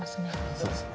そうですね。